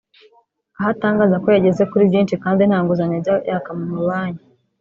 aho atangaza ko yageze kuri byinshi kandi nta nguzanyo ajya yaka mu mabanki